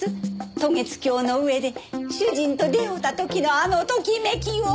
渡月橋の上で主人と出会うた時のあのときめきを！